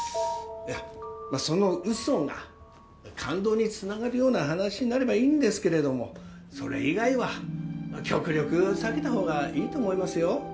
まそのウソが感動に繋がるような話になればいいんですけれどもそれ以外は極力避けたほうがいいと思いますよ。